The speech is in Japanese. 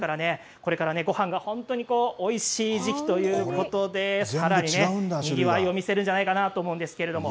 これからごはんが本当においしい時期ということでかなりにぎわいを見せるんじゃないかなと思うんですけれども。